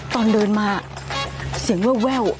ตอนเดินมาเสียงแวว